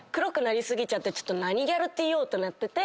ちょっと何ギャルって言おう？ってなってて。